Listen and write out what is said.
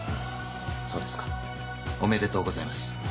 そうですかおめでとうございます。